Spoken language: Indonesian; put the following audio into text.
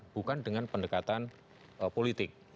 bukan dengan pendekatan politik